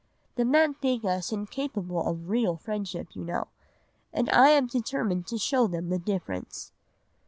The men think us incapable of real friendship you know, and I am determined to show them the difference.